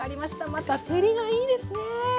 また照りがいいですね。